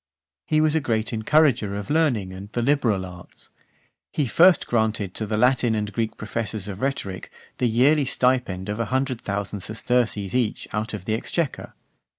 XVIII. He was a great encourager of learning and the liberal arts. He first granted to the Latin and Greek professors of rhetoric the yearly stipend of a hundred thousand sesterces each out of the exchequer.